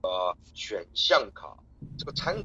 强调探究过程而不是现成的知识。